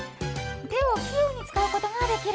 手を器用に使うことができる。